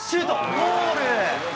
ゴール。